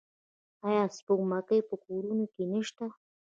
آیا سپوږمکۍ په کورونو کې نشته؟